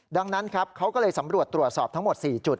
ดังนั้นครับเขาก็เลยสำรวจตรวจสอบทั้งหมด๔จุด